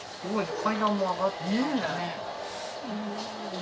階段も上がってたんだね